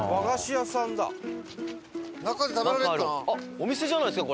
お店じゃないですか？